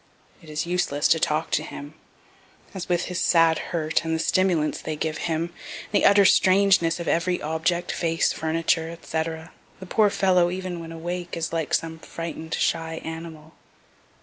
It is useless to talk to him, as with his sad hurt, and the stimulants they give him, and the utter strangeness of every object, face, furniture, &c., the poor fellow, even when awake, is like some frighten'd, shy animal.